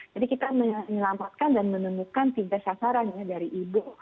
jadi kita menyelamatkan dan menemukan tiga sasaran ya dari ibu